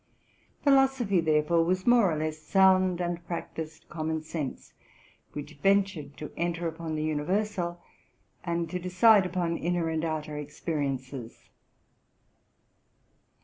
Philosophy , therefore, was more or less sound, and practised common sense, which ventured to enter upon the universal, and to decide upon inner and outer experiences.